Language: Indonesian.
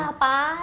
wah parah itu sih